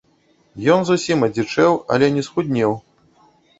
Ён зусім адзічэў, але не схуднеў.